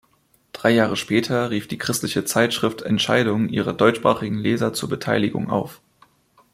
Drei Jahre später rief die christliche Zeitschrift Entscheidung ihre deutschsprachigen Leser zur Beteiligung auf.